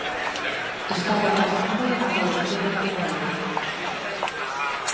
Estaba pasando a corentena cunha irmá.